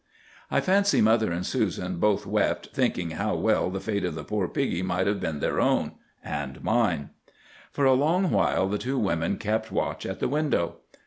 "I fancy mother and Susan both wept, thinking how well the fate of poor piggie might have been their own—and mine. "For a long while the two women kept watch at the window.